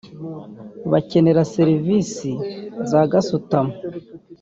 bakenera serivisi za gasutamo